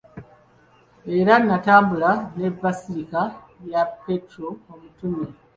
Era n'atambula ne Basilica ya Petro Omutume.